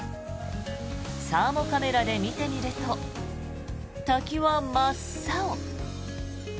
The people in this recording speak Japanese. サーモカメラで見てみると滝は真っ青。